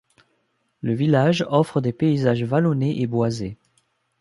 Le village offre des paysages vallonnés et boisés.